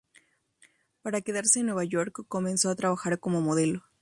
Para quedarse en Nueva York, comenzó a trabajar como modelo.